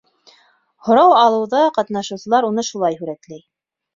Һорау алыуҙа ҡатнашыусылар уны шулай һүрәтләй.